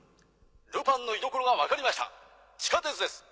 ルパンの居所が分かりました地下鉄です。